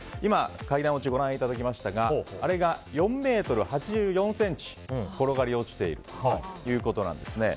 階段落ち、ご覧いただきましたがあれが４ｍ８４ｃｍ転がり落ちているということです。